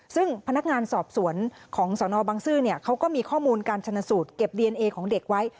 ซึ่งพนักงานสอบสวนของสนบังซื้อเขาก็มีข้อมูลการชนะสูตรเก็บดีเอนเอของเด็กไว้